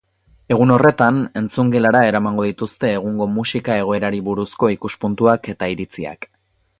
Egun horretan, entzungelara eramango dituzte egungo musika egoerari buruzko ikuspuntuak eta iritziak.